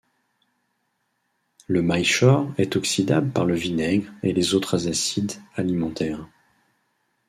Le maillechort est oxydable par le vinaigre et les autres acides alimentaires.